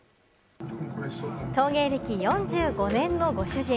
陶芸歴４５年のご主人。